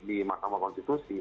di mahkamah konstitusi